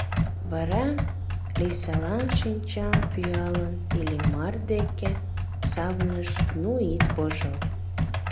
Вара, Лийсалан шинчам пӱялын, Иллимар деке савырныш: «Ну, ит вожыл.